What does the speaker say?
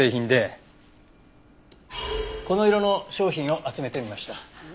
この色の商品を集めてみました。